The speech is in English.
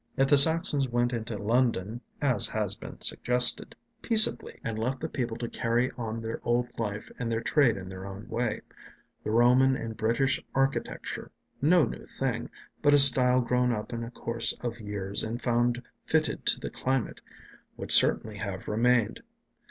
If the Saxons went into London, as has been suggested, peaceably, and left the people to carry on their old life and their trade in their own way, the Roman and British architecture no new thing, but a style grown up in course of years and found fitted to the climate would certainly have remained.